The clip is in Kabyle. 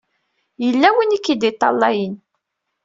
Yella win i k-id-iṭṭalayen.